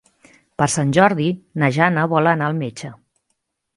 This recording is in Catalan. Per Sant Jordi na Jana vol anar al metge.